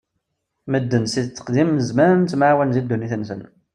Medden si tteqdim n zzman ttemɛawanen di ddunit-nsen.